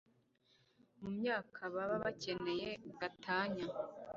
mu myaka baba bakeneye gatanya